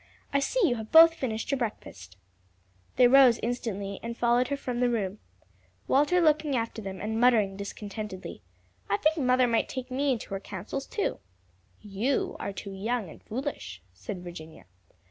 "I see you have both finished your breakfast." They rose instantly, and followed her from the room, Walter looking after them and muttering discontentedly, "I think mother might take me into her counsels, too." "You are too young and foolish," said Virginia.